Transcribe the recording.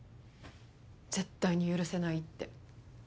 絶対に許せないって。